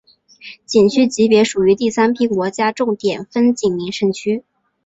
景区级别属于第三批国家重点风景名胜区。